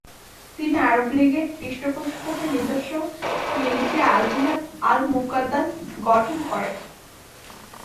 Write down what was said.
তিনি আরব লীগের পৃষ্ঠপোষকতায় নিজস্ব মিলিশিয়া আল-জিহাদ আল-মুকাদ্দাস গঠন করেন।